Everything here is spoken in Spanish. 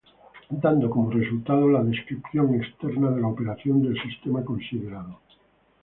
Dando como resultado la descripción externa de la operación del sistema considerado.